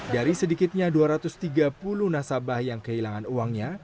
dari sedikitnya dua ratus tiga puluh nasabah yang kehilangan uangnya